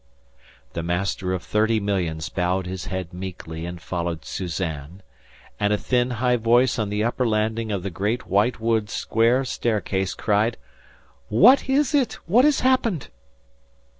The master of thirty millions bowed his head meekly and followed Suzanne; and a thin, high voice on the upper landing of the great white wood square staircase cried: "What is it? What has happened?"